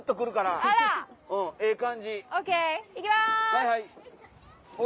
はいはい。